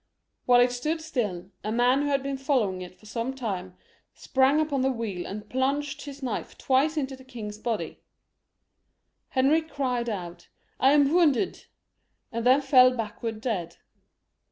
While it stood still, a man who had been follow ing it for some way, sprang up on the wheel and plunged his knife twice into the king's body. Henry cried out, " I am wounded ;" and then fell backward dead.